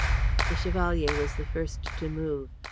] The Chevalier was the first to move.